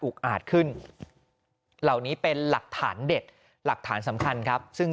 อาจขึ้นเหล่านี้เป็นหลักฐานเด็ดหลักฐานสำคัญครับซึ่ง